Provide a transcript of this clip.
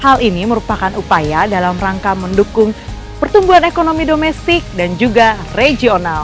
hal ini merupakan upaya dalam rangka mendukung pertumbuhan ekonomi domestik dan juga regional